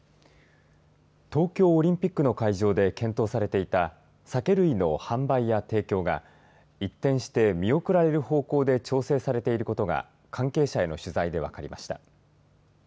東京オリンピックの会場で検討されていた酒類の販売や提供が一転して見送られる方向で調整されていることが関係者への取材で分かりました。